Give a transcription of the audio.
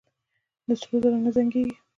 د سرو زرو نه زنګېږي.